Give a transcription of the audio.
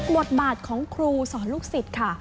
บทบาทของครูสอนลูกศิษย์ค่ะ